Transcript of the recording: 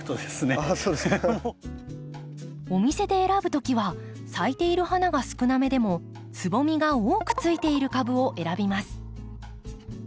あそうですか。お店で選ぶ時は咲いている花が少なめでもつぼみが多くついている株を選びます。